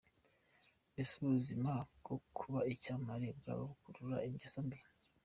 Ese ubuzima bwo kuba icyamamare bwaba bukurura ingeso mbi?.